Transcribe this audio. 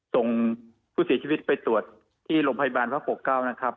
ส่งผู้เสียชีวิตไปตรวจที่ลงพยาบาลภ๑๐๖๙นะครับ